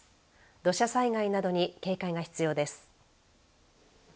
土砂災害などに警戒が必要です。